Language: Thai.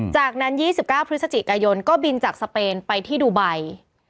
จากนั้น๒๙พฤศจิกายนก็บินจากสเปนไปที่ดูไบ